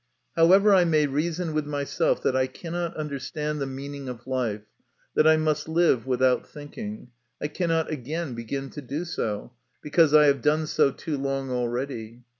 However I may reason with myself that I cannot understand the meaning of life, that I must live without thinking, I cannot again begin to do so, because I have done so too long already.